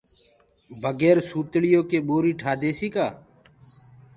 بگير سوتݪيو ڪي ٻوري ٺآ ديسي ڪآ۔